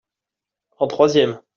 en troisième.